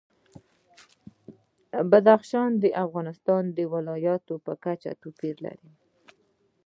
بدخشان د افغانستان د ولایاتو په کچه توپیر لري.